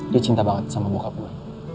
dia cinta banget sama bokap gue